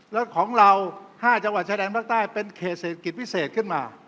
แล้วของเรา๕จังหวัดชายแดนภาคใต้เป็นเขตเศรษฐกิจพิเศษขึ้นมา